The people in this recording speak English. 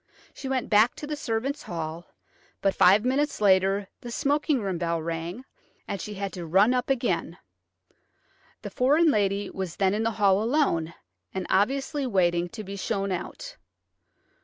She went back to the servants' hall, but five minutes later the smoking room bell rang, and she had to run up again. The foreign lady was then in the hall alone, and obviously waiting to be shown out.